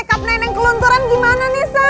ini kalau makeup nenek kelunturan gimana nisa